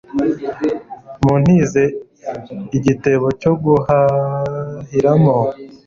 muntize igitebo cyo guhahira mo